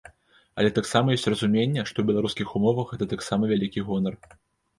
Але таксама ёсць разуменне, што ў беларускіх умовах гэта таксама вялікі гонар.